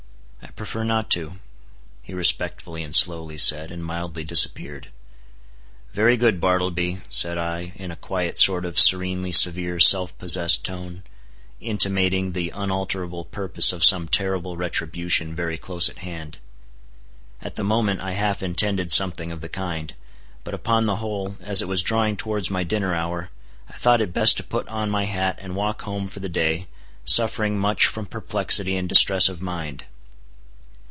"I prefer not to," he respectfully and slowly said, and mildly disappeared. "Very good, Bartleby," said I, in a quiet sort of serenely severe self possessed tone, intimating the unalterable purpose of some terrible retribution very close at hand. At the moment I half intended something of the kind. But upon the whole, as it was drawing towards my dinner hour, I thought it best to put on my hat and walk home for the day, suffering much from perplexity and distress of mind.